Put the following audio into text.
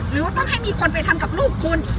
หรือว่าต้องให้มีคนไปทำกับลูกคุณ